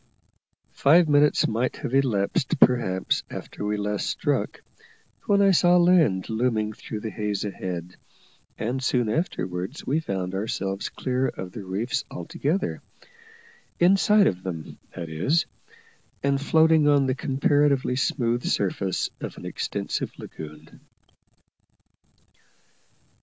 Five minutes might have elapsed perhaps after we last struck, when I saw land looming through the haze ahead, and soon afterwards we found ourselves clear of the reefs altogether inside of them, that is and floating on the comparatively smooth surface of an extensive lagoon.